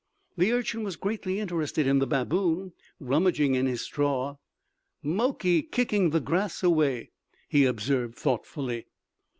The Urchin was greatly interested in the baboon rummaging in his straw. "Mokey kicking the grass away," he observed thoughtfully.